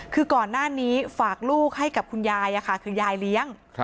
คือก่อนหน้านี้ฝากลูกให้กับคุณยายคือยายเลี้ยง